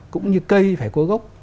cũng như cây phải có gốc